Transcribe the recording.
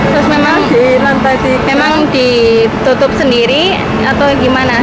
terus memang ditutup sendiri atau gimana